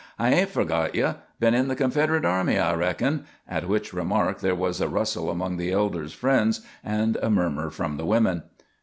"I hain't forgot ye. Been in the Confederate army, I reckon," at which remark there was a rustle among the elder's friends and a murmur from the women.